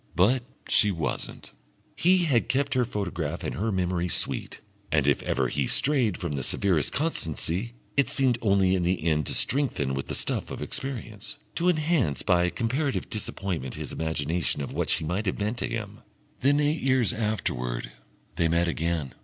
But she wasn't. He had kept her photograph and her memory sweet, and if ever he had strayed from the severest constancy, it seemed only in the end to strengthen with the stuff of experience, to enhance by comparative disappointment his imagination of what she might have meant to him.... Then eight years afterwards they met again.